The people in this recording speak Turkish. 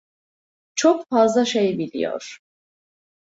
Çok fazla şey biliyor.